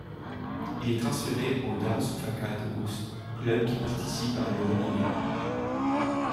Il est transféré au Darüşşafaka Doğuş, club qui participe à l'Euroligue.